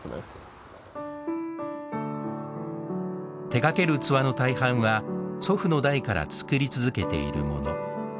手がける器の大半は祖父の代から作り続けているもの。